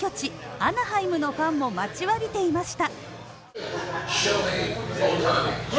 アナハイムのファンも待ちわびていました。